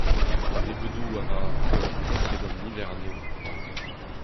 A-nebeudoù avat e oa kresket an niver anezho.